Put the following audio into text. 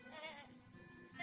ngapain lo disini